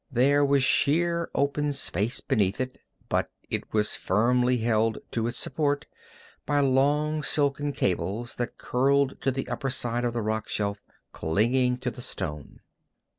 There was sheer open space beneath it, but it was firmly held to its support by long, silken cables that curled to the upper side of the rock shelf, clinging to the stone.